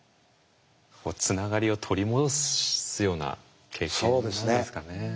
つながりを取り戻すような経験なんですかね。